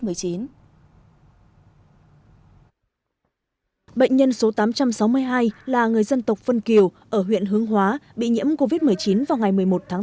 bệnh nhân số tám trăm sáu mươi hai là người dân tộc phân kiều ở huyện hướng hóa bị nhiễm covid một mươi chín vào ngày một mươi một tháng tám